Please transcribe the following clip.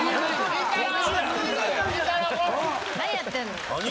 何やってんの。